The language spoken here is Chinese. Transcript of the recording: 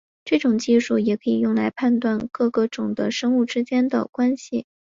这种技术也可以用来判断各个种的生物之间的关系。